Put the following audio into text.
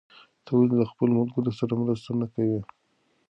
ته ولې له خپلو ملګرو سره مرسته نه کوې؟